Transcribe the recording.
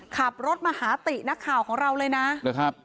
ขับรถมาหาตินักข่าวของเราเลยนะ